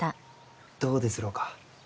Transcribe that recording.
どうですろうか？